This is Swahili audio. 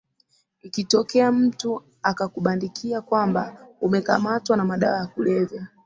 ikitokea mtu akakubandikia kwamba umekamatwa na madawa ya kulevya